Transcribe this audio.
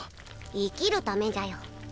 生きるためじゃよ